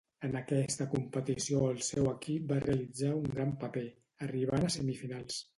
En aquesta competició el seu equip va realitzar un gran paper, arribant a semifinals.